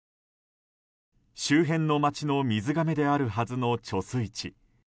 周辺の町の水がめであるはずの貯水池。